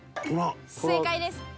正解です。